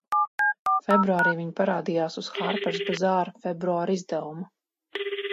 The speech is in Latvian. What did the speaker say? "Februārī viņa parādījās uz "Harpers Bazaar" februāra izdevuma."